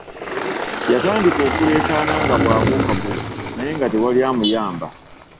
Yatandika okulekaana nga bwabuukabuuka naye nga tewali amuyamba!